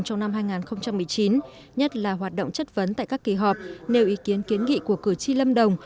trong năm hai nghìn một mươi chín nhất là hoạt động chất vấn tại các kỳ họp nêu ý kiến kiến nghị của cử tri lâm đồng